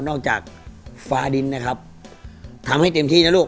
จากฟ้าดินนะครับทำให้เต็มที่นะลูก